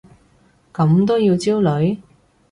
咁都要焦慮？